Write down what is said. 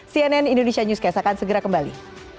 cnn indonesia newscast akan segera kembali